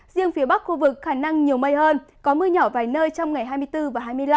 riêng phía bắc khu vực khả năng nhiều mây hơn có mưa nhỏ vài nơi trong ngày hai mươi bốn và hai mươi năm